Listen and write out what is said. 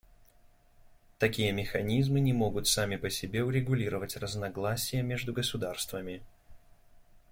Такие механизмы не могут сами по себе урегулировать разногласия между государствами.